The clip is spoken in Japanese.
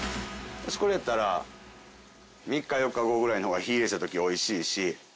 これやったら３４日後ぐらいの方が火入れした時美味しいし。